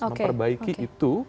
oke memperbaiki itu